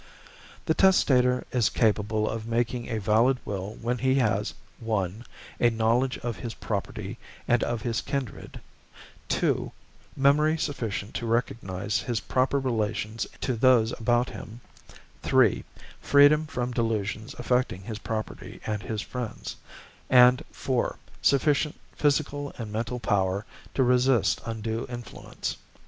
A testator is capable of making a valid will when he has (1) a knowledge of his property and of his kindred; (2) memory sufficient to recognize his proper relations to those about him; (3) freedom from delusions affecting his property and his friends; and (4) sufficient physical and mental power to resist undue influence.